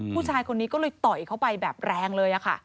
ผู้ชายคนนี้ก็เลยต่อยเข้าไปแบบแรงเลยค่ะ